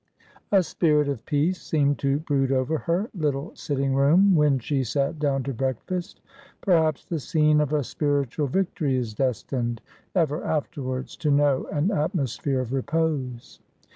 A spirit of peace seemed to brood over her little sitting room when she sat down to breakfast. Perhaps the scene of a spiritual victory is destined, ever afterwards, to know an atmosphere of repose.